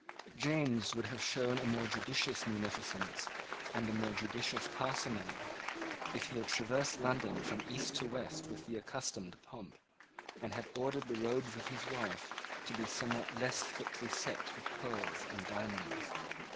James would have shown a more judicious munificence and a more judicious parsimony, if he had traversed London from east to west with the accustomed pomp, and had ordered the robes of his wife to be somewhat less thickly set with pearls and diamonds.